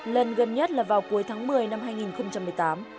lần gần nhất là vào cuối tháng một mươi năm hai nghìn một mươi tám